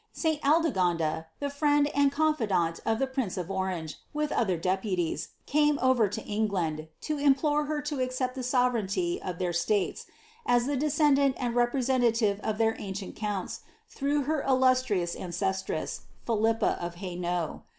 St. Aldegonde, the friend and confidant of the prince of Orange, with other deputies, eune over to England, to implore her to accept the sovereignty of their •tates^ as the descendant and representative of their ancient counts, through her illustrious ancestress, Philippe of Hainault.